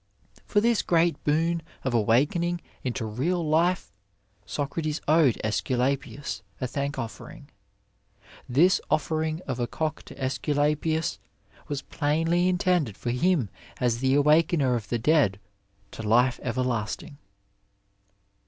For this great boon of awakening into real Ufe Socrates owed .^sculapius a thankofiering. This offering of a cock to .^Isculapius was plainly intended for hm as the awakener of the dead to life everlasting."